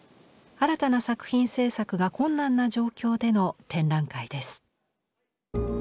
新たな作品制作が困難な状況での展覧会です。